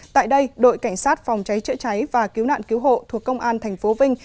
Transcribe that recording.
tại đây đội cảnh sát phòng cháy chữa cháy và cứu nạn cứu hộ thuộc công an tp vinh